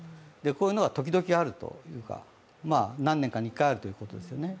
こういうのが時々あるというか、何年かに１回あるということです。